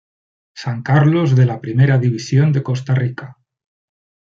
San Carlos de la Primera División de Costa Rica.